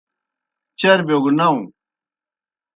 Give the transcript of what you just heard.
چربِیو گہ ناؤں۔